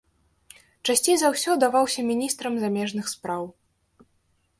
Часцей за ўсё даваўся міністрам замежных спраў.